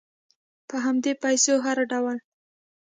په همدې پیسو هر ډول